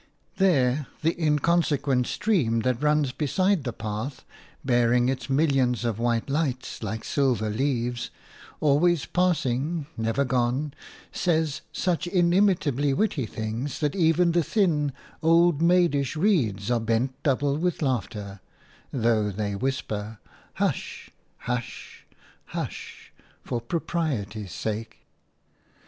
There the inconsequent stream that runs beside the path, bearing its millions of white lights like silver leaves, always passing, never gone, says such inimitably witty things that even the thin, old maidish reeds are bent double with laughter, though they whisper, "Hush, hush, hush!" for propriety's sake.